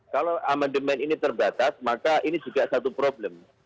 kalau amendement ini terbatas maka ini juga satu problem